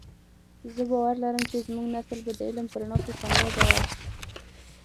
زه باور لرم چې زمونږ نسل به د علم په رڼا کې کامیابه وی